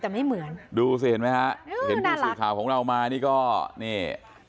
แต่ไม่เหมือนดูสิเห็นไหมฮะเห็นผู้สื่อข่าวของเรามานี่ก็นี่